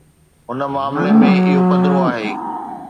هن معاملي ۾ اهو پڌرو آهي.